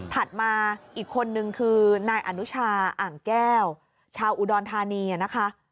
มาอีกคนนึงคือนายอนุชาอ่างแก้วชาวอุดรธานีนะคะ